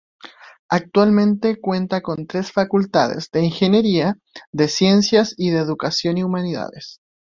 Actualmente cuenta con tres facultades: de "Ingeniería", de "Ciencias", y de "Educación y Humanidades".